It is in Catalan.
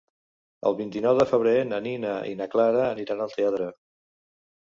El vint-i-nou de febrer na Nina i na Clara aniran al teatre.